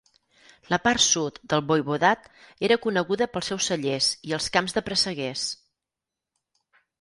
La part sud del Voivodat era coneguda pels seus cellers i els camps de presseguers.